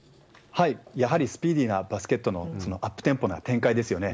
やはりスピーディーなバスケットの、アップテンポな展開ですよね。